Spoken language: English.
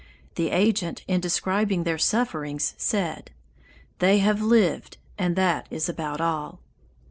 The agent in describing their sufferings said: 'They have lived and that is about all.